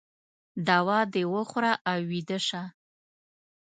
دوا د وخوره او ویده شه